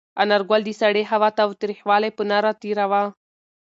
انارګل د سړې هوا تریخوالی په نره تېراوه.